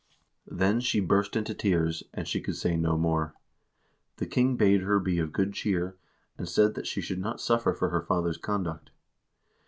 Then she burst into tears, and she could say no more. The king bade her be of good cheer, and said that she should not suffer for her father's conduct.